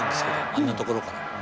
あんなところから。